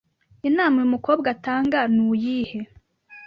Inama uyu mukobwa atanga nuyihe